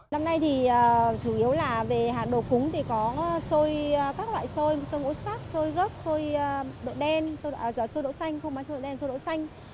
năm nay thì chủ yếu là về hàng đồ cúng thì có xôi các loại xôi xôi ngũ sắc xôi gớp xôi đậu đen